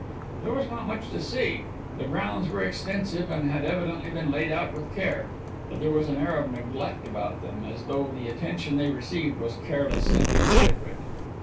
There was not much to see. The grounds were extensive and had evidently been laid out with care, but there was an air of neglect about them, as though the attention they received was careless and inadequate.